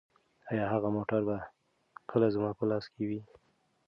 ایا هغه موټر به کله زما په لاس کې وي؟